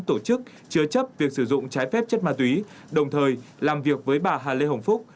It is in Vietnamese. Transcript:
tổ chức chứa chấp việc sử dụng trái phép chất ma túy đồng thời làm việc với bà hà lê hồng phúc